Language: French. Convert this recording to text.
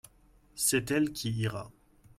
C'est elle qui ira.